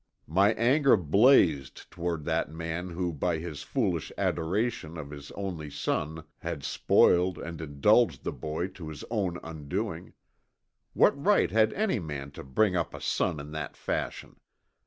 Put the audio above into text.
My anger blazed toward that man who by his foolish adoration of his only son had spoiled and indulged the boy to his own undoing. What right had any man to bring up a son in that fashion?